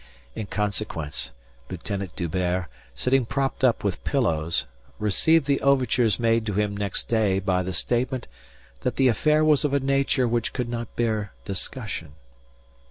In consequence, Lieutenant D'Hubert, sitting propped up with pillows, received the overtures made to him next day by the statement that the affair was of a nature which could not bear discussion.